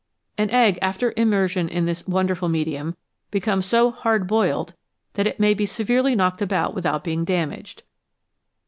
An egg, after immersion in this wonderful medium, becomes so "hard boiled" that it may be severely knocked about without being damaged.